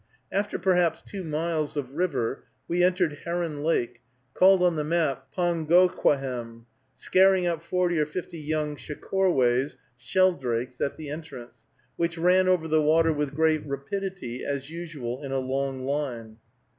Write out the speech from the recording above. After perhaps two miles of river, we entered Heron Lake, called on the map Pongokwahem, scaring up forty or fifty young shecorways, sheldrakes, at the entrance, which ran over the water with great rapidity, as usual in a long line.